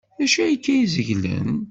D acu akka ay zeglent?